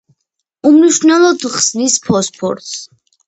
უმნიშვნელოდ ხსნის ფოსფორს.